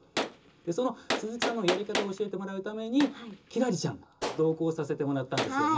その鈴木さんのやり方を教えてもらうために輝星ちゃん同行させてもらったんですよね。